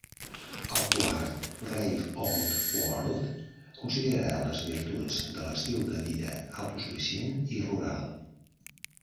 El quart, "Brave Old World", considera les virtuts de l'estil de vida autosuficient i rural.